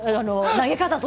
投げ方。